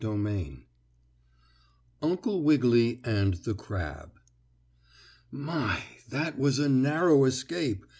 STORY XI UNCLE WIGGILY AND THE CRAB "My, that was a narrow escape!"